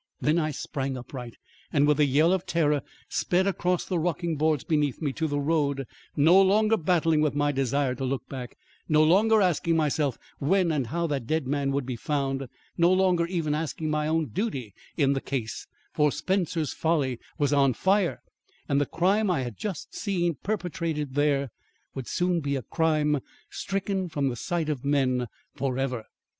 Then I sprang upright and with a yell of terror sped across the rocking boards beneath me to the road, no longer battling with my desire to look back; no longer asking myself when and how that dead man would be found; no longer even asking my own duty in the case; for Spencer's Folly was on fire and the crime I had just seen perpetrated there would soon be a crime stricken from the sight of men forever.